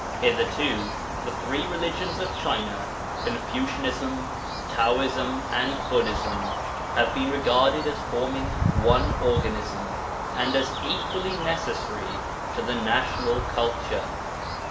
Hitherto the three religions of China Confucianism, Taoism, and Buddhism have been regarded as forming one organism, and as equally necessary to the national culture.